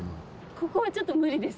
ここはちょっと無理です。